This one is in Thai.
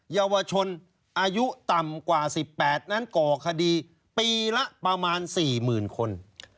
เยาวชนอายุต่ำกว่า๑๘นั้นก่อคดีปีละประมาณ๔๐๐๐คน